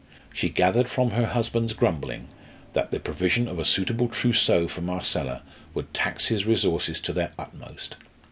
She gathered from her husband's grumbling that the provision of a suitable trousseau for Marcella would tax his resources to their utmost.